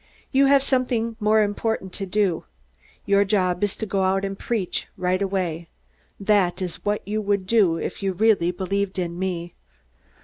You have something more important to do. Your job is to go out and preach, right away. That's what you would do if you really believed in me."